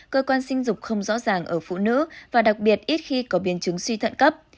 cơ quan sinh dục không rõ ràng ở phụ nữ và đặc biệt ít khi có biến chứng suy thận cấp